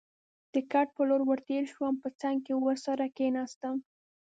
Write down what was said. د کټ په لور ور تېر شوم، په څنګ کې ورسره کېناستم.